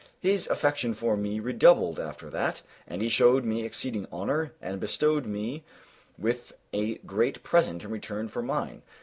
His affection for me redoubled after that, and he showed me exceeding honor and bestowed on me a great present in return for mine.